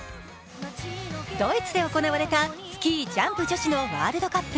ドイツで行われたスキージャンプ女子のワールドカップ。